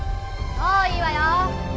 そういいわよ。